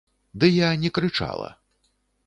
Ды я не крычала.